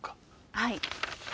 はい。